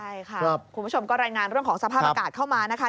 ใช่ค่ะคุณผู้ชมก็รายงานเรื่องของสภาพอากาศเข้ามานะคะ